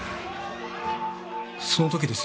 その時です。